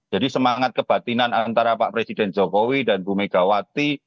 jadi semangat kebatinan antara pak presiden jokowi dan bu megawati